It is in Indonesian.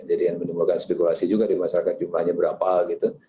jadi yang menimbulkan spekulasi juga dimasakkan jumlahnya berapa gitu